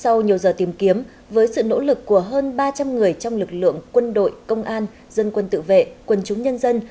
sau nhiều giờ tìm kiếm với sự nỗ lực của hơn ba trăm linh người trong lực lượng quân đội công an dân quân tự vệ quần chúng nhân dân